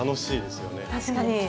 確かに！